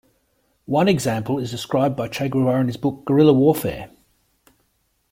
One example is described by Che Guevara in his book "Guerrilla Warfare".